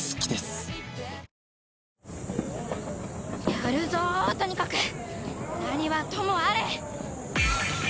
やるぞとにかく何はともあれ！